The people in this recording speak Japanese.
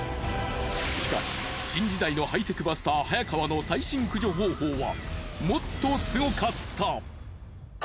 しかし新時代のハイテクバスター早川の最新駆除方法はもっとスゴかった！